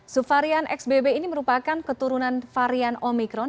subvarian xbb ini merupakan keturunan varian omikron